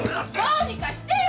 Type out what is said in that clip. どうにかしてよ！